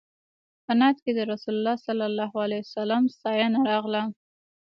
په نعت کې د رسول الله صلی الله علیه وسلم ستاینه راغلې.